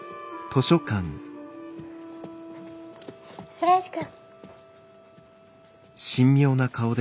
白石君。